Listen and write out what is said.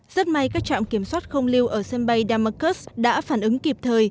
rất may các trạm kiểm soát không lưu ở sân bay damascus đã phản ứng kịp thời